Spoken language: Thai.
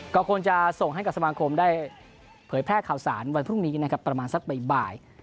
ก็ควรจะส่งให้กับสมาคมได้เผยแพร่ข่าวสารวันพรุ่งนี้นะครับประมาณสักบ่าย